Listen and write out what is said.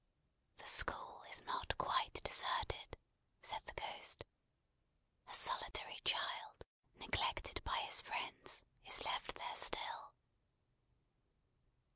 "The school is not quite deserted," said the Ghost. "A solitary child, neglected by his friends, is left there still."